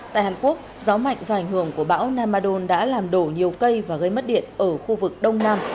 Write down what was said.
tại hàn quốc gió mạnh do ảnh hưởng của bão namadon đã làm đổ nhiều cây và gây mất điện ở khu vực đông nam